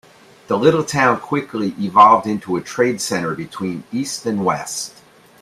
The little town quickly evolved into a trade center between east and west.